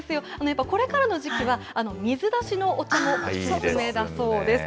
やっぱりこれからの時期は、水出しのお茶もお勧めだそうです。